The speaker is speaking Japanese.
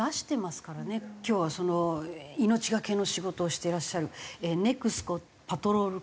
今日はその命懸けの仕事をしていらっしゃるネクスコ・パトロール